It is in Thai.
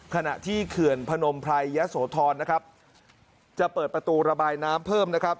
ขณะที่เขื่อนพนมไพรยะโสธรนะครับจะเปิดประตูระบายน้ำเพิ่มนะครับ